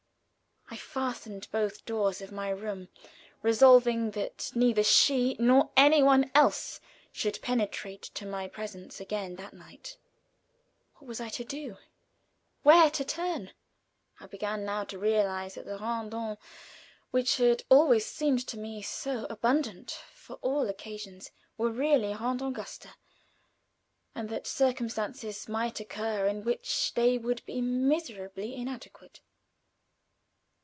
I fastened both doors of my room, resolving that neither she nor any one else should penetrate to my presence again that night. What was I to do? Where to turn? I began now to realize that the Res dom, which had always seemed to me so abundant for all occasions, were really Res Angusta, and that circumstances might occur in which they would be miserably inadequate.